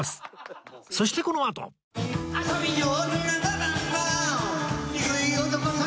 そしてこのあとワーオ！